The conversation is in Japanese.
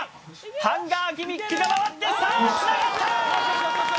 ハンガーギミックが回ってさあつながったー！